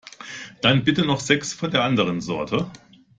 Dann bitte noch sechs von der anderen Sorte.